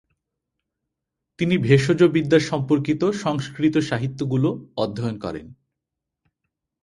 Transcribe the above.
তিনি ভেষজবিদ্যা সম্পর্কিত সংস্কৃত সাহিত্যগুলো অধ্যয়ন করেন।